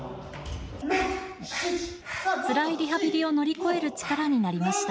つらいリハビリを乗り越える力になりました。